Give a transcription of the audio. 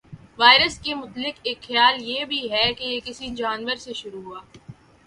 virus کے متعلق ایک خیال یہ بھی ہے کہ یہ کسی جانور سے شروع ہوا